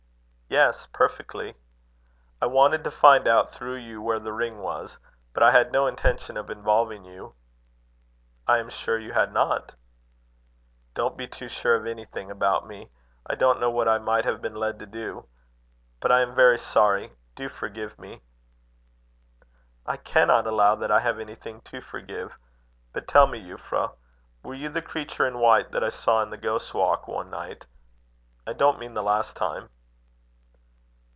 "Yes, perfectly." "I wanted to find out, through you, where the ring was. But I had no intention of involving you." "I am sure you had not." "Don't be too sure of anything about me. I don't know what I might have been led to do. But I am very sorry. Do forgive me." "I cannot allow that I have anything to forgive. But tell me, Euphra, were you the creature, in white that I saw in the Ghost's Walk one night? I don't mean the last time."